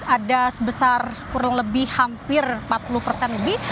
ada sebesar kurang lebih hampir empat puluh persen lebih